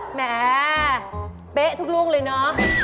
แหมเป๊ะทุกลูกเลยเนอะ